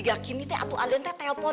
masa malem grade mereka harusnya sebarin